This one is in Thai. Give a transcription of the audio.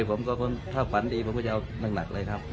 ผมก็จะจะเอาหนังหนังเลยครับ